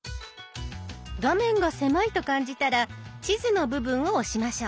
画面が狭いと感じたら地図の部分を押しましょう。